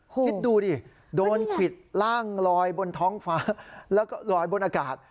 คิดดูดิโดนขวิดร่างลอยบนท้องฟ้าแล้วก็ลอยบนอากาศ